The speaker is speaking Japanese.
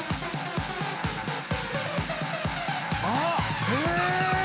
あっ！